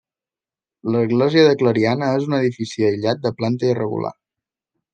L'església de Clariana és un edifici aïllat de planta irregular.